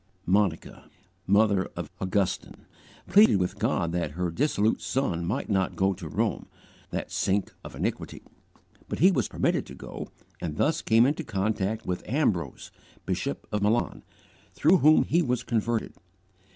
Monica, mother of Augustine, pleaded with God that her dissolute son might not go to Rome, that sink of iniquity; but he was permitted to go, and thus came into contact with Ambrose, bishop of Milan, through whom he was converted.